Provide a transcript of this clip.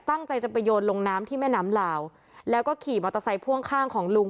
ตั้งใจจะไปโยนลงน้ำที่แม่น้ำลาวแล้วก็ขี่มอเตอร์ไซค์พ่วงข้างของลุง